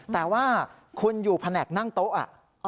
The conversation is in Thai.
แต่ว่าคุณอยู่แผนกนั่งโต๊ะ